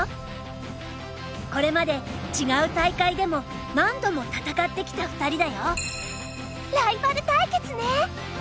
これまで違う大会でも何度も戦ってきた２人だよ。